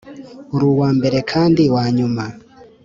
uri uwambere kandi wanyuma.